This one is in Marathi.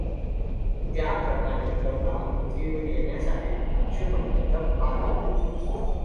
त्याप्रमाणे गंगा पृथ्वीवर येण्यासाठी अंशुमनने तप आरंभले.